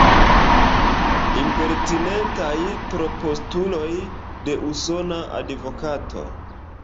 Impertinentaj tropostuloj de usona advokato.